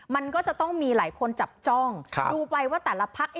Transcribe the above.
มันก็จะต้องมีหลายคนจับจ้องดูไปว่าแต่ละพัก